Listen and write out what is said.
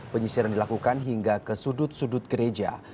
penyisiran dilakukan hingga ke sudut sudut gereja